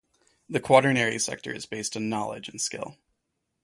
The quaternary sector is based on knowledge and skill.